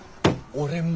俺も。